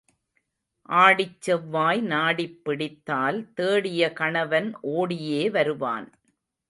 ஆடிச் செவ்வாய் நாடிப் பிடித்தால் தேடிய கணவன் ஓடியே வருவான்.